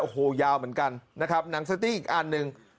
โอ้โหยาวเหมือนกันนะครับหนังสตี้อีกอันหนึ่ง